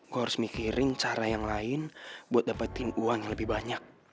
gue harus mikirin cara yang lain buat dapetin uang yang lebih banyak